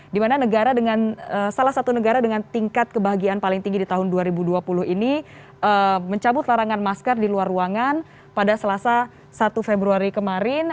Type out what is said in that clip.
dimana negara dengan salah satu negara dengan tingkat kebahagiaan paling tinggi di tahun dua ribu dua puluh ini mencabut larangan masker di luar ruangan pada selasa satu februari kemarin